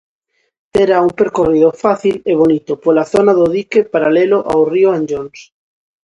Terá un percorrido fácil e bonito pola zona do dique paralelo ao río Anllóns.